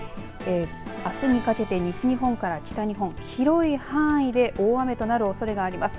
あすにかけて西日本から北日本広い範囲で大雨となるおそれがあります。